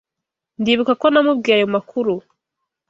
Ndibuka ko namubwiye ayo makuru.